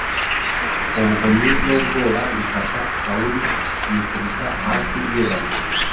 Ubuhumyi n’ubwoba bifata Sawuli yikubita hasi yubamye.